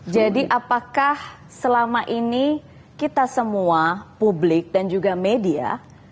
jadi apakah selama ini kita semua publik dan juga media